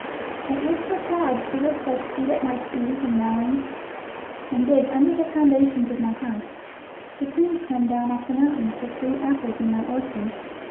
At Woodchuck Lodge the woodchucks eat up my peas and melons and dig under the foundations of my house; the coons come down off the mountain for sweet apples in my orchard.